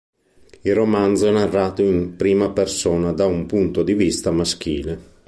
Il romanzo è narrato in prima persona da un punto di vista maschile.